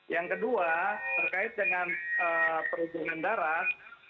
yang kedua terkait dengan perhubungan darat